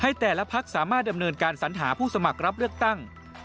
แต่ละพักสามารถดำเนินการสัญหาผู้สมัครรับเลือกตั้ง